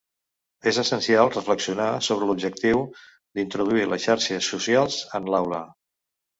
És essencial reflexionar sobre l'objectiu d'introduir les xarxes socials en l'aula.